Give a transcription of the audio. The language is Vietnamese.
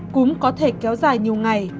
cúm có thể kéo dài nhiều ngày